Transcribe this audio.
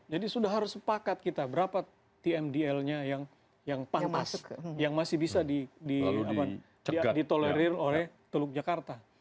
jadi sudah harus sepakat kita berapa tmdlnya yang pantas yang masih bisa ditolerir oleh teluk jakarta